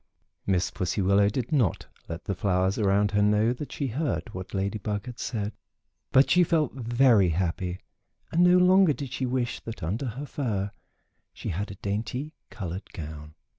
Miss Pussy Willow did not let the flowers around her know that she heard what Lady Bug had said, but she felt very happy and no longer did she wish that under her fur she had a dainty colored gown.